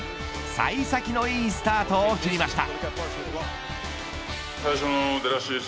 幸先のいいスタートを切りました。